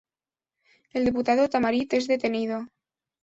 El diputado Tamarit es detenido.